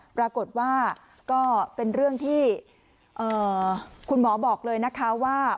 ปรากฏว่าก็เป็นเรื่องที่คุณหมอบอกเลยนะคะว่า